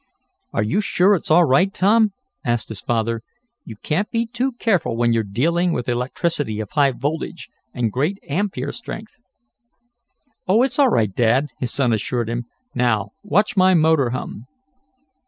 "Are you sure it's all right, Tom?" asked his father. "You can't be too careful when you're dealing with electricity of high voltage, and great ampere strength. "Oh, it's all right, Dad," his son assured him "Now watch my motor hum."